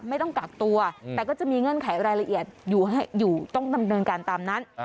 ไม่ต้องกักตัวแต่ก็จะมีเงื่อนไขรายละเอียดอยู่ต้องดำเนินการตามนั้น